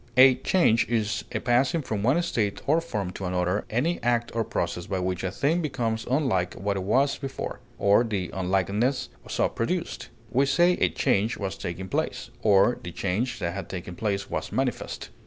A change is a passing from one state or form to another, any act or process by which a thing becomes unlike what it was before, or the unlikeness so produced; we say a change was taking place, or the change that had taken place was manifest.